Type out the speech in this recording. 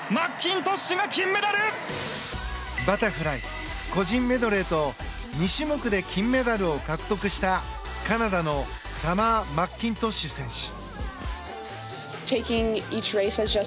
バタフライ個人メドレーと２種目で金メダルを獲得したカナダのサマー・マッキントッシュ選手。